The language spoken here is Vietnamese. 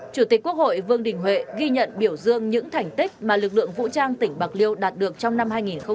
chủ tịch quốc hội vương đình huệ ghi nhận biểu dương những thành tích mà lực lượng vũ trang tỉnh bạc liêu đạt được trong năm hai nghìn một mươi tám